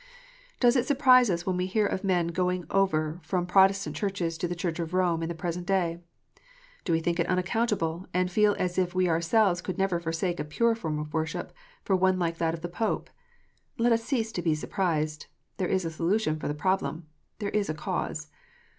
Does it surprise us when we hear of men going over from Protestant Churches to the Church of Rome, in the present day ? Do we think it unaccountable, and feel as if we ourselves could never forsake a pure form of worship for one like that of the Pope ? Let us cease to be surprised. There is a solution for the problem. There is a cause.